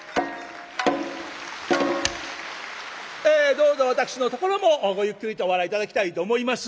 どうぞ私のところもごゆっくりとお笑い頂きたいと思います。